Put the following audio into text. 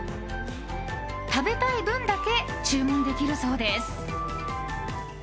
食べたい分だけ注文できるそうです。